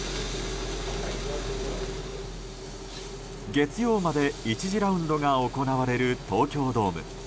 月曜まで１次ラウンドが行われる東京ドーム。